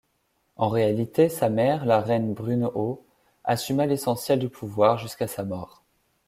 En réalité, sa mère, la reine Brunehaut assuma l’essentiel du pouvoir jusqu’à sa mort.